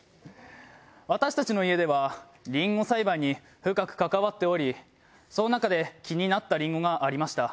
私たちの家ではりんご栽培に深く関わっておりそのなかで気になったりんごがありました。